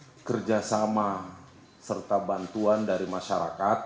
sehingga kami berharap kerjasama serta bantuan dari masyarakat